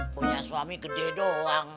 punya suami gede doang